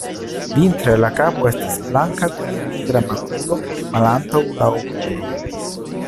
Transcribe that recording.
Vintre la kapo estas blanka kun nigra makulo malantaŭ la okulo.